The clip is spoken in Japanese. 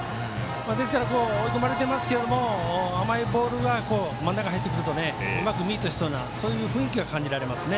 ですから、追い込まれていますが甘いボールが真ん中、入ってくるとうまくミートするようなそういう雰囲気は感じられますね。